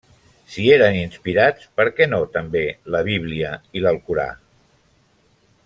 Si eren inspirats, per què no també la Bíblia i l'Alcorà?